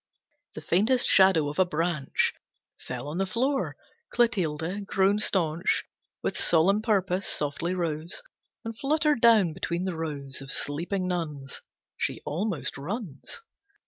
The faintest shadow of a branch Fell on the floor. Clotilde, grown staunch With solemn purpose, softly rose And fluttered down between the rows Of sleeping nuns. She almost runs.